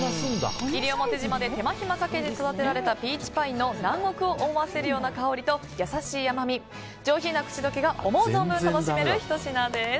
西表島で手間暇かけて育てられたピーチパインの南国を思わせるような香りと優しい甘み、上品な口溶けが思う存分楽しめるひと品です。